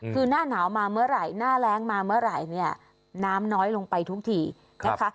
คือหน้าหนาวมาเมื่อไหร่หน้าแรงมาเมื่อไหร่เนี่ยน้ำน้อยลงไปทุกทีนะคะ